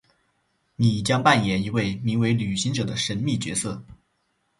你将扮演一位名为「旅行者」的神秘角色。